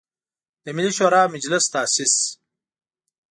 د ملي شوری مجلس تاسیس.